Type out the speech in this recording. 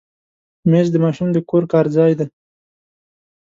مېز د ماشوم د کور کار ځای دی.